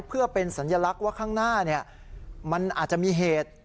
เพื่อเป็นสัญลักษณ์ว่าข้างหน้ามันอาจจะมีเหตุ